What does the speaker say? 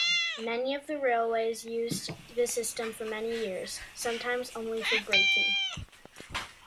Many of the railways used the system for many years, sometimes only for braking.